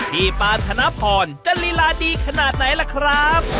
พี่ปานธนาภรจริลาดีขนาดไหนล่ะครับ